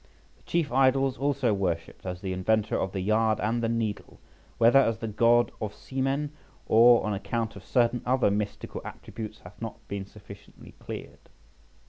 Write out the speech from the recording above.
The chief idol was also worshipped as the inventor of the yard and the needle, whether as the god of seamen, or on account of certain other mystical attributes, hath not been sufficiently cleared.